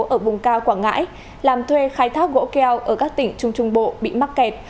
ở vùng cao quảng ngãi làm thuê khai thác gỗ keo ở các tỉnh trung trung bộ bị mắc kẹt